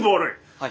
はい。